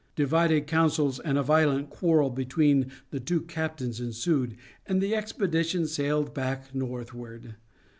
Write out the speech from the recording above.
Divided counsels and a violent quarrel between the two captains ensued, and the expedition sailed back northward.